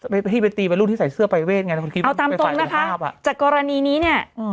พี่ไปตีเป็นรูปที่ใส่เสื้อไปเวทย์ไงเอาตามตรงนะคะจากกรณีนี้เนี้ยอืม